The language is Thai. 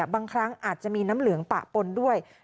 บางครั้งอาจจะมีน้ำเหลืองปะปนด้วย